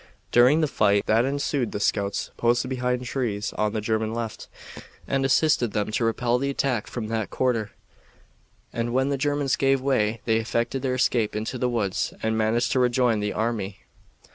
During the fight that ensued the scouts, posted behind trees on the German left, had assisted them to repel the attack from that quarter, and when the Germans gave way they effected their escape into the woods and managed to rejoin the army.